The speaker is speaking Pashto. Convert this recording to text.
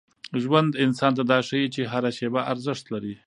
ژوند انسان ته دا ښيي چي هره شېبه ارزښت لري.